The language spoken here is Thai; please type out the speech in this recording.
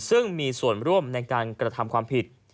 ซึ่งมีส่วนร่วมในการกระทำความผิด